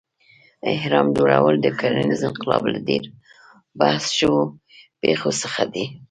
اهرام جوړول د کرنیز انقلاب له ډېر بحث شوو پېښو څخه دی.